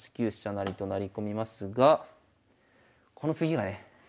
成と成り込みますがこの次がね